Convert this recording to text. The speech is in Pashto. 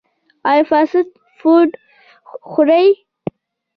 ایا فاسټ فوډ خورئ؟